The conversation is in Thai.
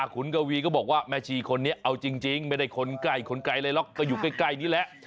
คุณกวีก็บอกว่าแม่ชีคนนี้เอาจริงไม่ได้คนใกล้คนไกลอะไรหรอกก็อยู่ใกล้นี่แหละ